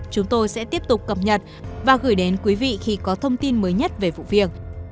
chúng tôi sẽ tiếp tục cập nhật và gửi đến quý vị khi có thông tin mới nhất về vụ việc